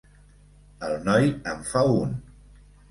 El noi en fa un.